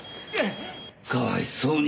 かわいそうに。